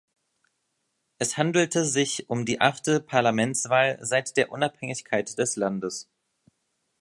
Es handelte sich um die achte Parlamentswahl seit der Unabhängigkeit des Landes.